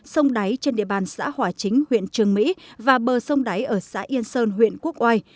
sông đáy trên địa bàn xã hòa chính huyện trường mỹ và bờ sông đáy ở xã yên sơn huyện quốc oai